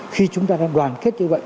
khi chúng ta đang đoàn kết như vậy